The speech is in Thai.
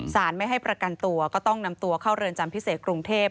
ไม่ให้ประกันตัวก็ต้องนำตัวเข้าเรือนจำพิเศษกรุงเทพ